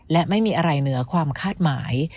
และไม่มีอะไรเหนือความคาดหมาย